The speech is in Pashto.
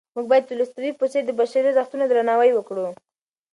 موږ باید د تولستوی په څېر د بشري ارزښتونو درناوی وکړو.